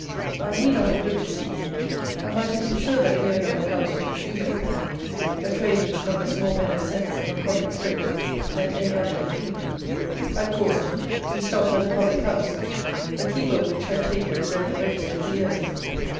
I need not have looked to see: I might have been sure that the owner of the house was a shoe maker, a trade which numbers more men of sense and of public spirit than any other in the kingdom. At Cawston we stopped at a public house, the keeper of which had taken and read the Register for years.